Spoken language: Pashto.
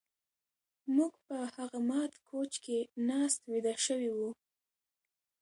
موږ په هغه مات کوچ کې ناست ویده شوي وو